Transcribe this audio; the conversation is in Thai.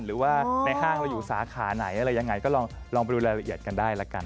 หรือว่าในห้างเราอยู่สาขาไหนอะไรยังไงก็ลองไปดูรายละเอียดกันได้ละกัน